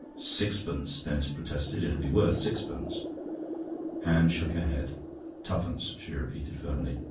"Sixpence," Denis protested. "It'll be worth sixpence." Anne shook her head. "Twopence," she repeated firmly.